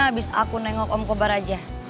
abis aku nengok om kobar aja